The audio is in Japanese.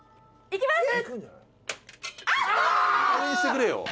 いきます！